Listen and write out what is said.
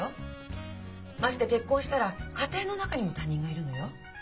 まして結婚したら家庭の中にも他人がいるのよ。